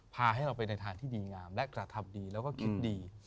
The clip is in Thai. ให้เราไปในทางที่ดีงามและกระทำดีแล้วก็คิดดี